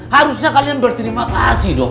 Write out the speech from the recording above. harusnya kalian berterima kasih dong